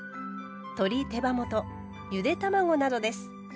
鶏手羽元ゆで卵などです。